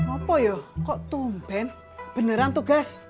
apa ya kok tumpen beneran tuh gas